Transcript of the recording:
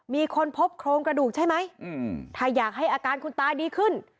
มีคนพบโครงกระดูกใช่ไหมถ้าอยากให้อาการคุณตาดีขึ้น